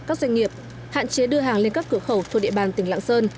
các doanh nghiệp hạn chế đưa hàng lên các cửa khẩu thuộc địa bàn tỉnh lạng sơn